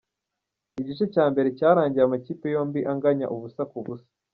Igice cya mbere cyarangiye amakipe yombi anganya ubusa ku busa.